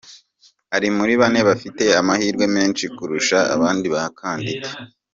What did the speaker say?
Ari muri bane bafite amahirwe menshi kurusha abandi bakandida.